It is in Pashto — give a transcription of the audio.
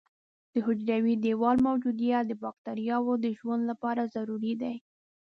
د حجروي دیوال موجودیت د بکټریاوو د ژوند لپاره ضروري دی.